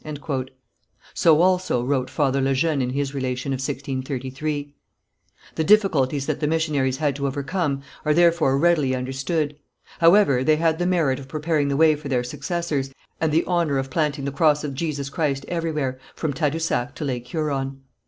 So also wrote Father Le Jeune in his Relation of 1633. The difficulties that the missionaries had to overcome are therefore readily understood. However they had the merit of preparing the way for their successors, and the honour of planting the cross of Jesus Christ everywhere, from Tadousac to Lake Huron.